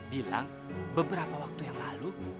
bilang beberapa waktu yang lalu